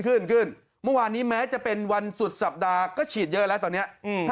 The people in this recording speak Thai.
ขึ้นขึ้นเมื่อวานนี้แม้จะเป็นวันสุดสัปดาห์ก็ฉีดเยอะแล้วตอนนี้